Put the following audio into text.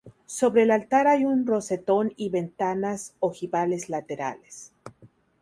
Sobre el altar hay un rosetón y ventanas ojivales laterales.